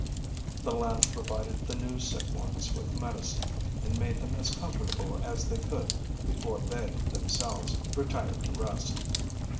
The lads provided the new sick ones with medicine and made them as comfortable as they could before they themselves retired to rest.